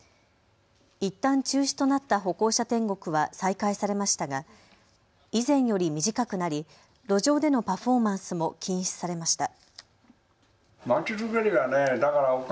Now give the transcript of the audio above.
いったん中止となった歩行者天国は再開されましたが以前より短くなり、路上でのパフォーマンスも禁止されました。